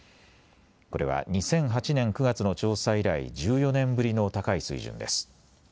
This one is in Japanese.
これは２００８年９月の調査以来、１４年ぶりの高い水準です。